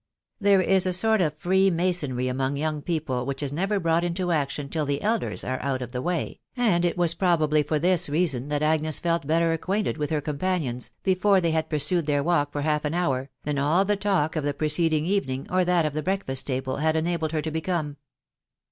There is a sort of five masonry among young people which k> newer brought into action till the elders are out of the way, and H was probably for this reason &«& K^mj» %&. \Rtta& acqmmted wfth her eompardofts, \jefcre ^fcsrj »& ^ecauA 124 THE WIDOW BARXABT. their walk for half an hour, than all the talk of the preceding evening, or that of the breakfast table, had enabled her to become.